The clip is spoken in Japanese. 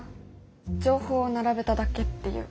情報を並べただけっていうか。